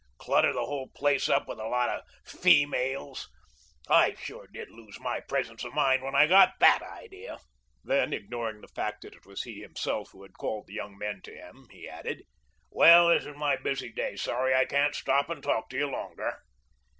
Clutter the whole place up with a lot of feemales. I sure did lose my presence of mind when I got THAT idea." Then, ignoring the fact that it was he, himself, who had called the young men to him, he added: "Well, this is my busy day. Sorry I can't stop and talk to you longer."